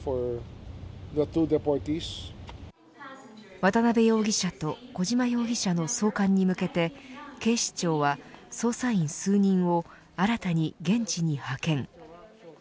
渡辺容疑者と小島容疑者の送還に向けて警視庁は捜査員数人を新たに現地に派遣。